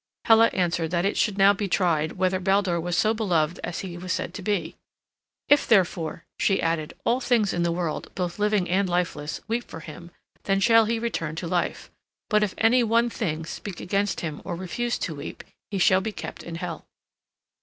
Hela answered that it should now be tried whether Baldur was so beloved as he was said to be. "If, therefore," she added, "all things in the world, both living and lifeless, weep for him, then shall he return to life; but if any one thing speak against him or refuse to weep, he shall be kept in Hel."